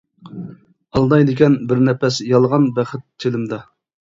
ئالدايدىكەن بىر نەپەس، يالغان بەخت چىلىمدا.